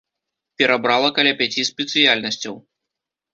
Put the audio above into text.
Перабрала каля пяці спецыяльнасцяў.